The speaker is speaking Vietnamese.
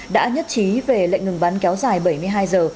đã nhất trí về lệnh ngừng bắn kéo dài bảy mươi hai giờ